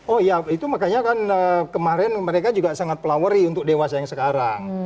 oh ya itu makanya kan kemarin mereka juga sangat pelawari untuk dewasa yang sekarang